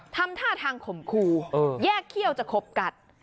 ทำท่าทางข่มขู่แยกเขี้ยวจะคบกัด